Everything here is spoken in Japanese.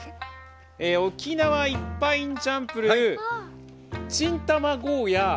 「沖縄いっパインチャンプルー」「チン卵ーヤー」